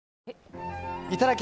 いただき！